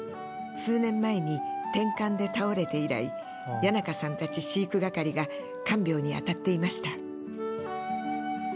数年前にてんかんで倒れて以来谷仲さんたち飼育係が看病にあたっていました。